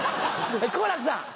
好楽さん。